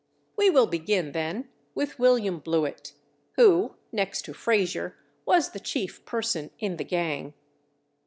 We will begin, then, with William Blewit, who, next to Frazier, was the chief person in the gang.